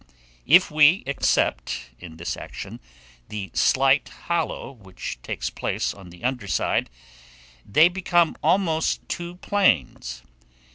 If we except, in this action, the slight hollow which takes place on the under side, they become almost two planes.